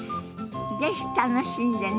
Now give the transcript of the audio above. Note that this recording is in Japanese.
是非楽しんでね。